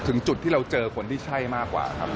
จุดที่เราเจอคนที่ใช่มากกว่าครับ